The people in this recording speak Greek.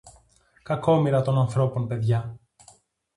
Κακόμοιρα των ανθρώπων παιδιά!